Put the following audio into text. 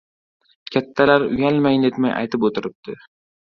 Kattalar uyalmay-netmay aytib o‘tiribdi: